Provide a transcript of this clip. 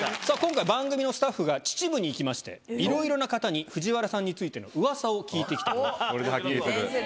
さぁ今回番組のスタッフが秩父に行きましていろいろな方に藤原さんについてのウワサを聞いてきたと。